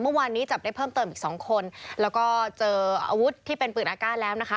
เมื่อวานนี้จับได้เพิ่มเติมอีกสองคนแล้วก็เจออาวุธที่เป็นปืนอากาศแล้วนะคะ